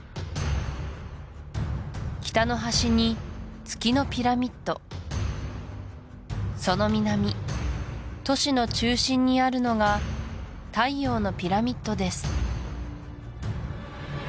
北の端に月のピラミッドその南都市の中心にあるのが太陽のピラミッドです